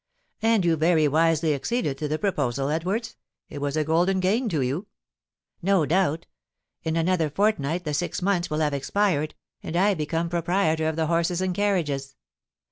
'" "And you very wisely acceded to the proposal, Edwards? It was a golden gain to you." "No doubt. In another fortnight the six months will have expired, and I become proprietor of the horses and carriages."